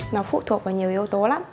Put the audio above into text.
nó phụ thuộc vào nhiều yếu tố lắm